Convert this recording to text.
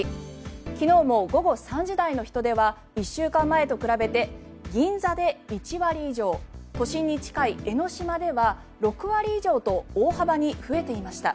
昨日も午後３時台の人出は１週間前と比べて銀座で１割以上都心に近い江の島では６割以上と大幅に増えていました。